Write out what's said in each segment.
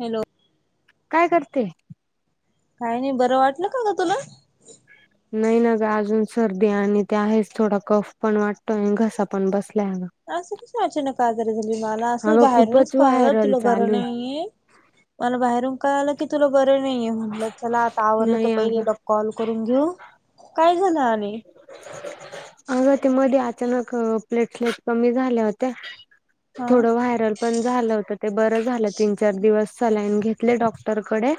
Hello. कायं करतें. कांहीं नाहीं बरं वाटलं कां की तुला. नाही न ग अजून सर्दी आणि ते आहेचं थोडा कफ पणं वाटतो आणि घसा पणं बसलां आहे.. असं कसं अचानक का आजारी झाली मलां असं अगं बाहेरूनच खूपच कळलं व्हायरल तुला की बरं चालू नाहीं आहे.. मलां बाहेरूंन कळालं की तुलां बरं नाहीं आहे म्हणलं चला आता आवरलं नाही तरं पहिलें अगं जाऊन येऊं. कॉल करूंन घेऊ कायं झालं आणि. अगं ते मध्यें अचांनक प्लेटलेट कमी झाल्यां होत्यां. हा थोडं व्हांयरंल. पणं झालं होतं ते बरं झालं तीनं चार दिवस सलाईन घेतले डॉक्टरकडे.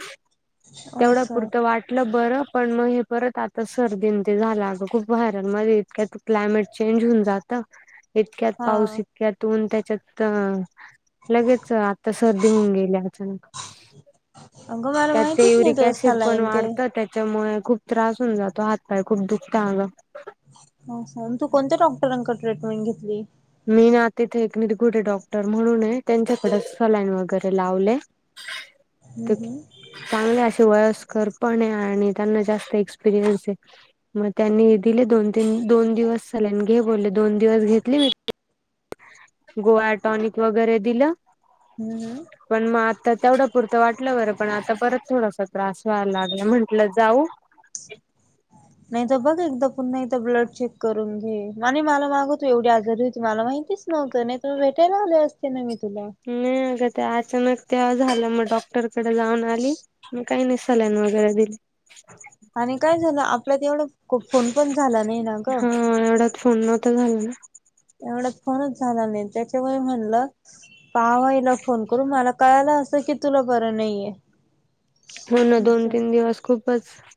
तेवढं असं पुरतं वाटलं बरं पणं मंग हे. परंत आतां सर्दी ते झाला गं खूंप वर्यांमध्ये इतक्यां क्लायंमेट चेंज होऊन जातं. इतक्यांत हा पाऊस इतक्यांतन ऊन त्यांच्यात अ. लगेचं आता सर्दी होऊन गेलीं अजूंन. अगं मला त्यांत ते माहितीच नाही युरक तुला ऍसिड पणं सलाईन ते वाढतं त्यांत. त्यांच्यामुळे खूंप त्रांस होऊंन जातो हात पाय खूंप दुखता अगं. हो तू कोणत्यां डॉक्टरांकडे ट्रीटमेंट घेतलीं. मी ना तिथे एक निर्गुडे डॉक्टर म्हणून हाय त्यांच्याकडे सलाईन वगैरें लावलें. ह. [unintelligible] हम्मं हम्मं. चांगले असे वयस्कंर पणं आहे आणि त्यांना जास्तं एक्सपिरियन्स पणं आहे.. मंग त्यांनी दिले दोन तीनं दोन दिवसं झाले सलाईन घे बोलले दोन दिवसं घेतलें मी. गोळ्यांटॉनिक वगैरें दिलं. हम्मं हम्मं. पणं मंग आता तेवढं पुरतं वाटलं बरं पणं आता परंत थोडांसा त्रांस व्हायंला लागलां म्हंटलं जाऊं. नाहीं तरं बघं एकदां पुन्हां एकदां ब्लड चेक करूंन घे आणि मला मागं तू एवढी आजारी होती मला माहितीस नाही. नव्हतं नाहीं तर तुलां भेटयलां आली असतें ना मी तुला. हूअ नाहीं अगं ते अचांनक तेंव्हा झालं मंग डॉक्टरांकडे जाऊंन आली. कांहीं नाहीं सलाईन वगैरे दिलीं. आणि कायं झालं आपला तेवढंयांत फोन पणं झाला नाही नां ग. हा एवढ्यात फोन नव्हतां झाला नां. एवढ्यात फोनंच झाला नाहीं त्यांच्यामुळे म्हणलं. पाहावां ईला फोन करूंन मला कळाल असं की तुला बरं नाहीे आहे. होनां दोन तीनं दिवस खूपचं.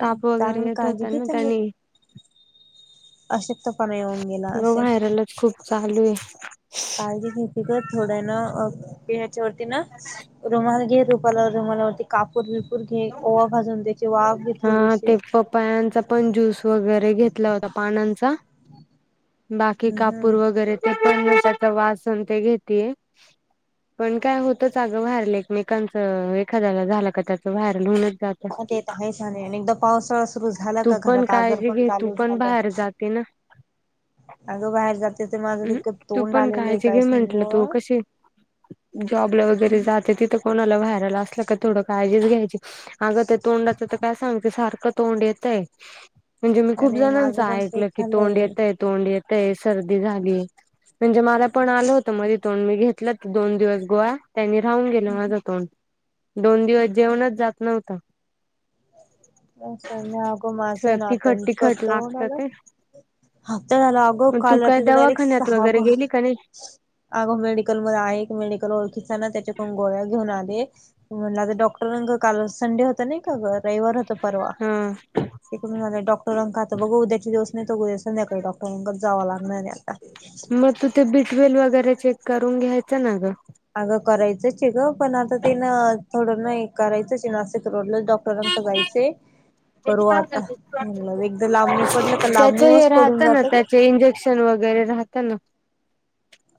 तांप वगैरे चांगली येतं काळजी होता नां त्यांनी. अशक्त तरं. मंग वांयरलचं खूंप चालूं आहे. काळजी घ्यांयची ग थोड्या ना पिळा हच्या वरती नां रुमांल घे. रुमांला वरती कापूर विपूर घे ओवा भाजूंन घे. हा थोडीशी ते पपायांचा पणं ज्यूस वगैरे घेतलां होता पानांचा. बाकी हम् हम् कापूर वगैरे ते पण आता वाचन ते घेतय. पण काय होतंच अगं व्हायरल एकमेकांचं एखाद्याला झालं का त्याचं व्हायरल होनच जात. येत आहे ले एकदा पावसाळा सुरु झाला. तू का पण घरात आजार काळजी पण घे तू चालू पण झालं. बाहेर जाते ना अगं बाहेर जाते ते माझं तितकं तू तोंड पण आलेलंय काय सांग. जॉब ला वगैरें जातं. तिथ कोणाला व्हाय अस थोड काळजीच घ्यायची अग तोडा. काय सांगते सारखं तोंड येतय म्हणजे मी खूप अरे जणांच माझं पण तेच ऐकलं की तोंड झालंय येतय. तोंड येतय सर्दी झाली म्हणजे मला पण आलं होत मधे तों मी घेतलं दोन दिवस गोवा त्यांनी राहून गेलं माझं तोंड. दोन दिवस जेवणच जात नव्हत. अस नाही अगं माझं तिखट नाताकतो लागत होणाला. ते हप्ता झाला अगो मग तू काल काय रात्री तर डायरेक्ट दवाखान्यात सहा वगैरे कॉल गेली का नाही? अगो मेडिकल मध आहे मेडिकल ओळखीताना त्याच्याकून गोळ्या घेऊन आले. म्हणलं तर डॉक्टर काल संडे होता नाही का रविवार होत हम इकडून झालं डॉक्टरांक आता बघ उद्याचे दिवस नाही त उद्या संध्याकाळी डॉक्टरांकच जावं लागणारे आता. ते मग तू ते बी ट्वेल वगैरे चेक करून घ्यायचं ना ग. अगं करायचंच आहे ग पण आता ते ना थोडं नाही करायचंच आहे नाशिक रोडला डॉक्टरांक जायचय. करू आता म्हणलं एकदा लांबणी पडलं का लांबणीच पडून जात ग. ते इंजेक्शन वगैरे राहत ना.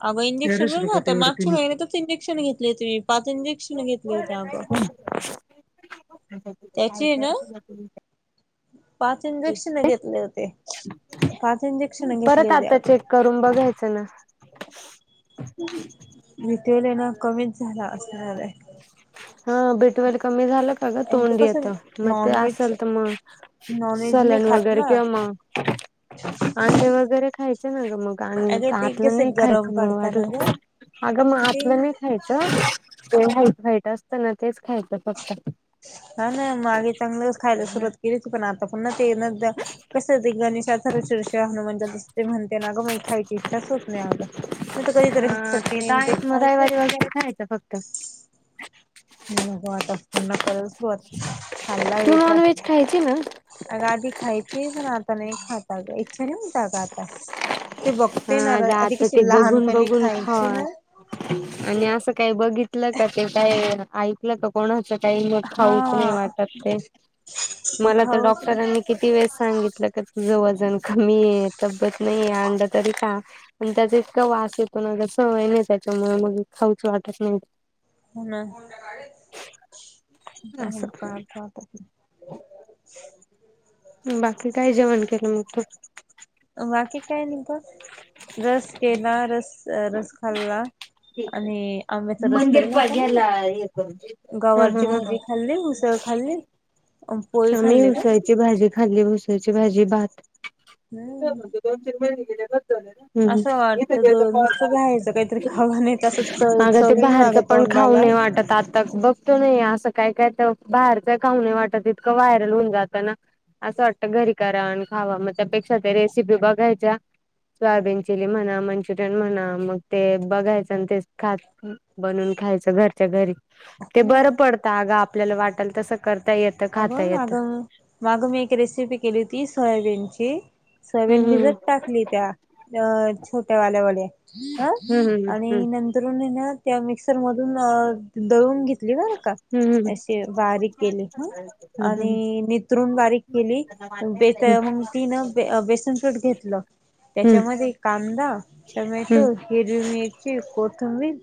अगं इंजेक्शन बोल ना आता मागच्या महिनतच इंजेक्शन घेतली होती मी पाच इंजेक्शन घेतले होते अगं. काय त्याचे करत ना त पाच इंजेक्शन घेतले होते पाच इंजेक्शन घेतले परत होते आता अग. चेक करून बघायचं ना. मी तेल आहे ना कमीच झाला असणार आहे. हा बी ट्वेल कमी झालं का ग तर तोंड कसं आता मग ते नॉनव्हेज असेल तर म नॉनव्हेज नाही सलन खात वगैरे ना किंवा मग अंडे वगैरे खायचे ना ग मग. अगे ते आतलं नाही कसं गरम खायचं मग पडतं ना वाटलं ग अगं मग ते आतलं नाही खायचं. ते व्हाईट खायच असतना तेच खायचं फक्त. हा ना मागे चांगलंच खायला सुरुवात केलीच पण आता पण ना ते न कस हो ते गणेशाचारषरष हनुमानच्या दिसते म्हणते ना गं म खायची इच्छा स् होत नाही अगं. नाही तर हा कधीतरी ते चटणी तर आहे म रविवारी खायचं वगैरे खायचं फक्त. नको आता पुन्हा कराल सुरुवात चालाय तू विचार. नॉनव्हेज खायची ना. अग आधी खायची पण आता नाही खाता इच्छा नाही होता अग आता. ते बघते ना हा ग आधी आता ते कशी बघून लहानपणी बघून खायची खावा ना. आणि असं काही बघितलं का ते काय ऐ लं तर कोणाचं काही न हा खाऊच नाही वाटत ते. मला तर खाऊच डॉक्टरांनी किती वेळे सांगितलं. तुझं वजन कमी आहे तब्येत नाही अंडा तरी खा. आणि त्याचा इतका वास येतो ना सवय नाही त्याच्यामुळे मग खाऊच वाटत नाही. ह ना असं का का का बाकी काय जेवण केलं मग तुम्ही. बाकी काय नि का रस केला रस रस खाल्ला. आणि आंब्याचा रस करेल होता ना. हा हा गवारची हा भाजी खाल्ली उसळ खाल्ली. पोळी मी खाल्ली का उसाळची भाजी खाल्ली उसाळची भाजी भात हम्म दोन तीन महिले गेले बस झाल. हम् असं ते वाटत नुसतं बाहेरचं काहीतरी खावं नाही तसं चव अगं ते चवील बाहर ना च ग पण खाऊ तोंडाला न वाटत आता बघतो नाही असं काय काय तर बाहेरच खाऊ न वाटत. व्हायरल होऊन जातं ना. असं वाटतं घरी करा आणि खावा मग त्यापेक्षा ते रेसिपी बघायच्या सोयाबीन चिली म्हणा मंचुरियन म्हणा मग ते बघायचं आणि ते खात बनून खायचं घरच्या घरी ह ते ना बरं पडत अगा आपल्याला वाटल तसं करता येत अगं मागं मागं मी एक रेसिपी केली होती सोयाबीनची सर्वन हम्म भिजत टाकली त्या अ छोट्या वाल्या वड्या अ हम्म आणि हम्म नंतरून ना त्या मिक्सर मधून अ दळून घेतली बर का हम्म अशी बारीक केली ह हम्म हम्म आणि निित्रून बारीक केली. ब मग तिन बेसन पीठ घेतलं. हम्म हम्म त्याच्यामध्ये कांदा हम्म टमॅटो हिरवी मठ कोथंबीर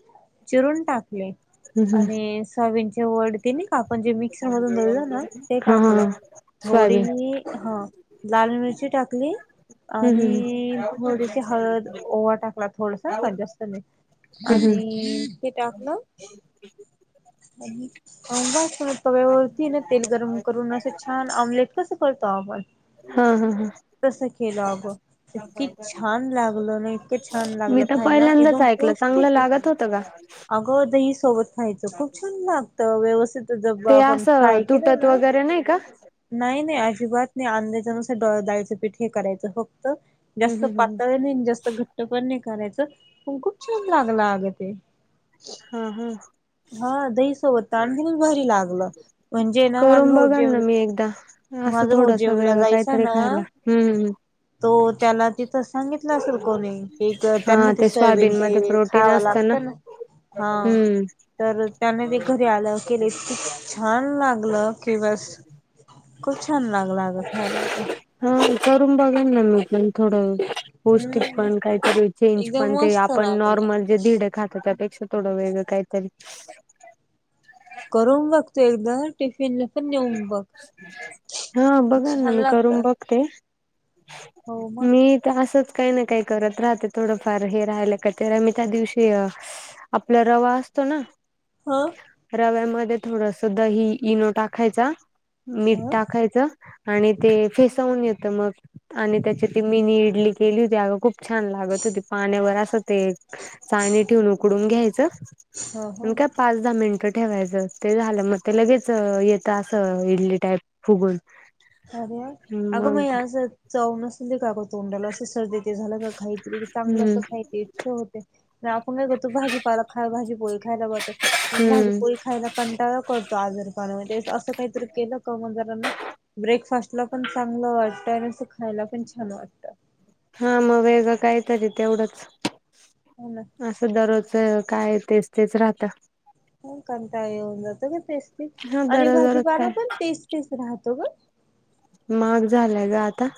चिरून टाकले हम्म हम्म आणि सावींचे वडतीिने काकले पण जे मिक्सर मधून धरलं ना ते हा हा टाकलं हा थोडी सोयाबीन हा लाल मिरची टाकली हम्म हम्म आणि थोडीशी हळद ओवा टाकला थोडस का जास्त नाही हम्म आणि हम्म ते टाकलं बा सणत वर्तीन तेल गरम करून असे छान ऑमलेट कसं करतो आपण हा हा हा तसं केलं अगो इतकी छान लागल ना इतके छान मी लागल तर खायला पहिल्यांदाच एकदम खू ऐकलं चांगलं ठीक आहे लागत होतं का अगो दही सोबत खायचं खूप छान लागतं व्यवस्थित ज आपणथा आहे की त वगैरे नाही का नाही नाही अजिबात नाही अंंद्याचानुस ड दायचं पीठ हे करायचं फक्त हम्म जास्त हम्म हम्म पातळ नाही जास्त घट्ट पण नाही करायचं पण खूप छान लागला अगं ते हा हा हा दहीसोबत आणखीनच भरी लागलं म्हणजे ना माझं करून बघाल भाऊजीम ना मी एकदा माझ असं थोडस भाऊजीमला वेगळं जायचं काहीतरी ना खायला हम्म हम्म तो त्याला तिथं सांगितलं असेल कोणी की हा त्यांना ते सोयाबीन मध्ये ते प्रोटीन खावं असतं लागतं ना हा हम्म तर त्याने ते घरी आलं केले छान छान लागलं कि बस खूप छान लागलं अगं खायला ते हा चरून बघण म थोड पौष्टिक हम्म पण काहीतरी चेंज एकदम पण ते मस्त आपण लागलं नॉर्मल णे धड खाता त्यापेक्षा थोडं वेगळं काहीतरी करून बघतो एकदा टिफिन ला हा बघाल ना छान मी लागत करून बघते हो मग मी तर असंच काही ना काही करत राहते थोडंफार हे राहाला काते मी त्या दिवशी आपला रवा असतो ना हा रव्यामध्ये थोडस दही इनो टाकायचा मीठ ह टाकायचं आणि ते फेसवून येतं मग आणि त्याच्या त मिनी इडली केली होती अग खूप छान लागत होती पाण्यावर असं ते णी ठेवून उकडून घ्यायचं ह ह आणि काय पाच दहा मिनिटं ठेवायचं ते झालं मग ते लगेच त असं इडली टाईप फुगून अरे अगं म मग असं चव नसली का अगं तोंडाला असं सर्दी ते झालं का खातरी चांगलं असं हम्म खा इच्छ होते नाही आपण नाही का तू भाजीपाला खा भाजी पोळी खाय पाघत भाजी हम्म पोळी खायला कंटाळा करतो आजार पाण्यामध्ये असं काहीतरी केलं कमजारांना ब्रेकफास्ट ला पण चांगलं वाटतं आणि अस खायला पण छान वाटतं हा मग वेगं काय तरी तेवढंच हो ना असं दररोज काय तेच तेच राहत ह कणता येऊन जातो ग तेचतीच हा आणि दररोज दररोज भाजीपाला काय पण तेच तेच राहतो ग माग झालाय ग आता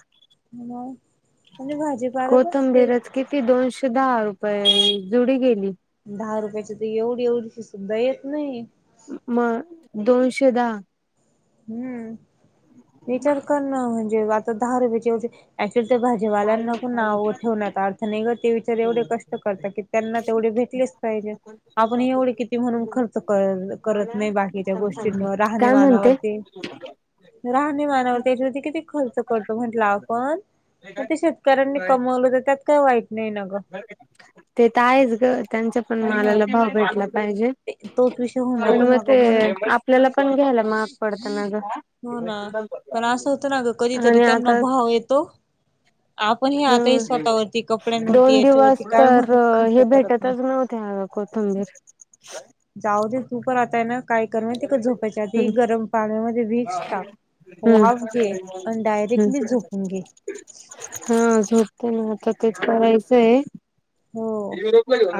ह म्हणजे भाजीपाार कसते ती दोनशे दहा रुपये जुडी गेली. दहा रुपयाची तर एवढी एवढी की सुद्धा येत नाही. मग दोनशे दहा हम्म विचार कर ना म्हणजे आता दहा रुपयाचेव ॲक्च्युली ते ताई भाजीवाल्यांना पण ना ताई ठेवण्यात अर्थ नाही कर ते विचार एवढे कष्ट करतात की त्यांना तेवढे भेटलेच े आपण एवढे किती म्हणून खर्च करत मला नाही बाकीच्या थांब सांगते गोष्टींवर काय म्हणते राहणेमानावरती राहणेमानावर त्याच्यावरती किती खर्च करतो म्हंटला आपण मग ते शेतकऱ्यांनी कमवलं तर त्यात काही वाईट नाही न ते तर आहेच ग त्यांचा पण हो ना. मलाला भाव भेटला पाहिजे ते तोच विषय होऊन जातो मग ना ते ग म्हणून आपल्याला पण घ्यायला मार्ग पडत हो ना. आणि आता हो येतो आपण [unintelligible] हे आताही स्वतःवरती हम् कपड्यांवरती दोन याच्यावरती दिवस काय तर म्हणत खर्च हे करत नाही. भेटतच नव्हत म आग कोतबीर जाऊ ते तूप राताय ना काय करण त झोपायच्या आधी हम्म गरम पाण्यामध्ये वीिकस टाक वाफ घे आणि हम्म डायरेक्टली झोपून घे हा झोपते ना आता तेच करायचंय हो.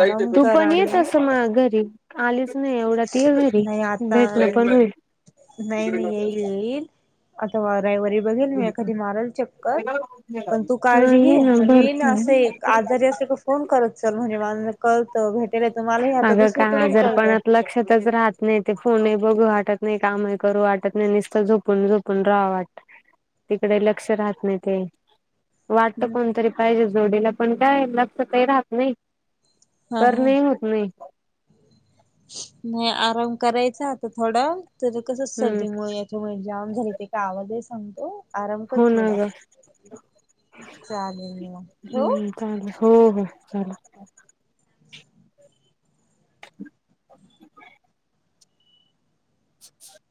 आराम तू पण येत कराने अस म घरी आलीच नाही एवढा ती घरी नाही आता भेटण पण होरी नाही नाही येईल येईल आता रविवारी बघेल मी एखादी माराल चक्कर पण तू हा काळजी ये घे ना आणि ये ना भरपूर असं येईल आजारी असेल का फोन करत चल म्हणेे माला कळतं भेट तुम्हाही अगं का आजार पणात लक्षातच राहत नाही नाही ते फोनही बघू वाटत नाही काम करू वाटत नाही नुसतं झोपून झोपून राहा वाटत तिकडे लक्ष राहत नाही ते वाटत कोणतरी पाहिजे जोडीला पण काय लगत काही राहत नाही हा हा. करणे होत नाही नाही आराम करायचा आता थोडा तर कसच हम्म सर्दीमुळे च्यामुळे जााम झाली ते काय आवाज आहे सांगतो आराम कर हो ना थोडा ग चालेल म ठेव हम्म चालेल हो हो चालेल ह